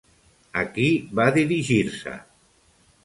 A qui va dirigir-se?